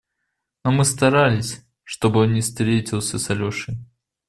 Но мы старались, чтоб он не встретился с Алешей.